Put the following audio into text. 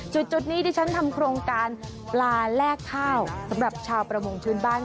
จุดนี้ที่ฉันทำโครงการปลาแลกข้าวสำหรับชาวประมงพื้นบ้าน